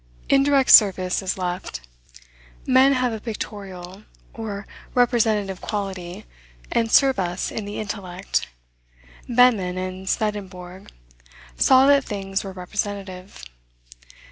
Indirect service is left. Men have a pictorial or representative quality, and serve us in the intellect. Behmen and Swedenborg saw that things were representative.